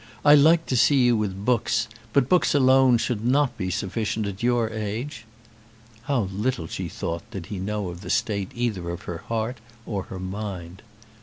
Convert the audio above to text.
I like to see you with books, but books alone should not be sufficient at your age." How little, she thought, did he know of the state either of her heart or mind!